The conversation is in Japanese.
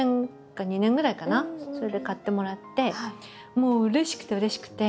もううれしくてうれしくて。